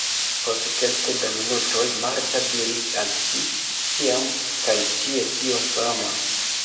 Post kelke da minutoj Marta diris al si: ĉiam kaj ĉie tio sama.